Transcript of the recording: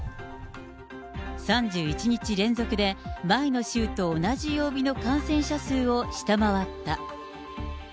３１日連続で前の週と同じ曜日の感染者数を下回った。